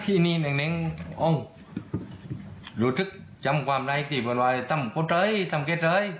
พี่นี้แหละรู้ถึกจำความไรอีกกี่บ้านไว้ทำตัวเตยทำเตยเตย